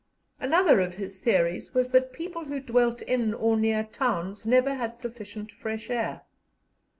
Another of his theories was that people who dwelt in or near towns never had sufficient fresh air.